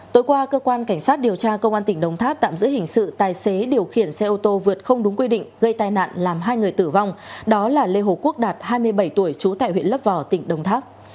tối qua cơ quan cảnh sát điều tra công an tỉnh đồng tháp tạm giữ hình sự tài xế điều khiển xe ô tô vượt không đúng quy định gây tai nạn làm hai người tử vong đó là lê hồ quốc đạt hai mươi bảy tuổi trú tại huyện lấp vò tỉnh đồng tháp